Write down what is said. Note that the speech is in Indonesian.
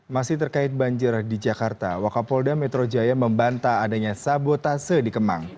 masih terkait banjir di jakarta wakapolda metro jaya membanta adanya sabotase di kemang